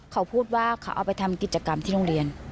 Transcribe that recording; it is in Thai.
เขาพูดว่าเขาเอาไปทำกิจกรรมที่โรงเรียน